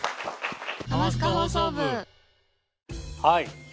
はい。